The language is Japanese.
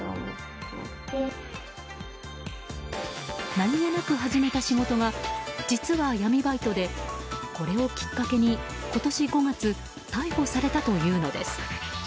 何気なく始めた仕事が実は闇バイトでこれをきっかけに、今年５月逮捕されたというのです。